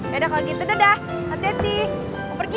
yaudah kalo gitu dadah hati hati